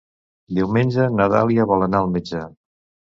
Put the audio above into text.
Diumenge na Dàlia vol anar al metge.